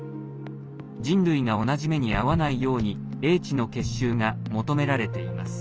人類が同じ目に遭わないように英知の結集が求められています。